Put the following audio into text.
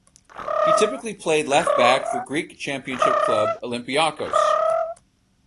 He typically played left-back for Greek Championship club Olympiacos.